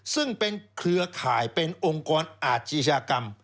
ซึ่งเป็นเครือข่ายเป็นองค์กรอาชีชากรรม